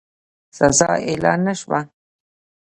سزا اعلان نه شوه.